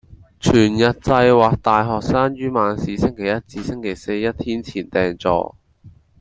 全日制或大學生於晚市星期一至星期四一天前訂座